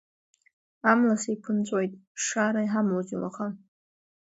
Амла сеиқәынҵәоит, Шара, иҳамоузеи уаха?